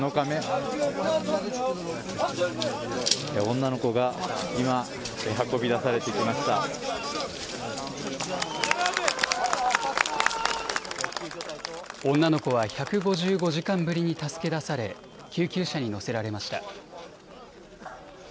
女の子は１５５時間ぶりに助け出され救急車に乗せられました。